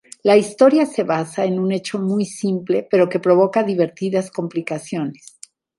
La historia se basa en un hecho muy simple, pero que provoca divertidas complicaciones.